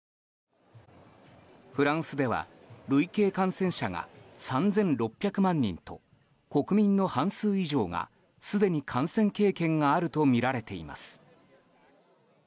フランスでは累計感染者が３６００万人と国民の半数以上がすでに感染経験があるとみられています。